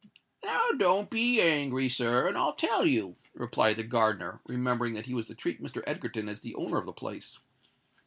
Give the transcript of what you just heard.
"Now don't be angry, sir, and I'll tell you," replied the gardener, remembering that he was to treat Mr. Egerton as the owner of the place.